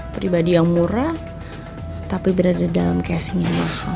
pribadi yang murah tapi berada dalam casing yang mahal